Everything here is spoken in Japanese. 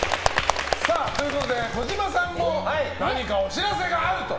児嶋さんも何かお知らせがあると。